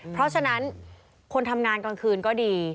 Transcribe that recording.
เพราะฉะนั้นคนทำงานกลางคืนก็ดี